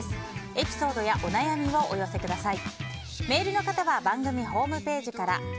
エピソードやお悩みをお寄せください。